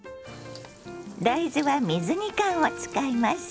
大豆は水煮缶を使います。